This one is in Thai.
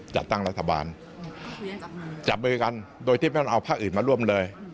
จัดตั้งรัฐบาลจับมือกันโดยที่ไม่ต้องเอาภาคอื่นมาร่วมเลย